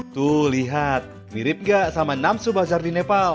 tuh lihat mirip gak sama namsu bazar di nepal